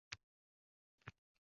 ma’lum ishlarga majburlash uchun